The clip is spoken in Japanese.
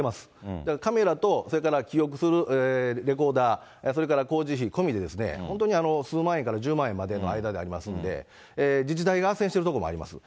だからカメラと、それから記録するレコーダー、それから工事費込みでですね、本当に数万円から１０万円までの間でありますんで、自治体があっせんしている所もあります。